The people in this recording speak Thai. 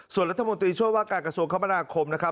ส่วนรัฐมนตรีช่วงป้าการกระสูรคมละคร